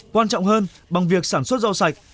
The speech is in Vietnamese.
quan trọng hơn bằng việc sản xuất rau sạch